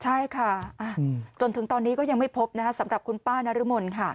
ใช่ค่ะจนถึงตอนนี้ก็ยังไม่พบสำหรับคุณป้านรมนค่ะ